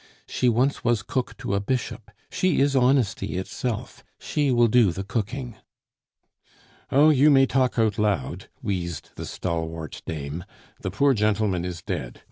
"She once was cook to a bishop; she is honesty itself; she will do the cooking." "Oh! you may talk out loud," wheezed the stalwart dame. "The poor gentleman is dead....